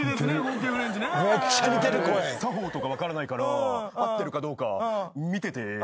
作法とか分からないから合ってるかどうか見てて。